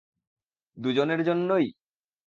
দুজনের জন্যই?